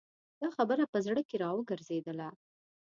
دا خبره په زړه کې را وګرځېدله.